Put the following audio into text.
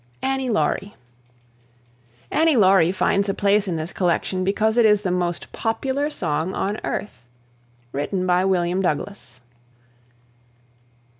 ANNIE LAURIE. "Annie Laurie" finds a place in this collection because it is the most popular song on earth. Written by William Douglas